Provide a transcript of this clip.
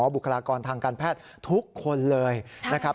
บุคลากรทางการแพทย์ทุกคนเลยนะครับ